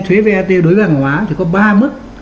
thuế vat đối với hàng hóa thì có ba mức